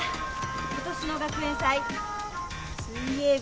今年の学園祭水泳部